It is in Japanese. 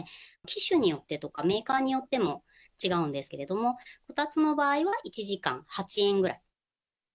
機種によってとか、メーカーによっても違うんですけれども、こたつの場合は、１時間８円ぐらい。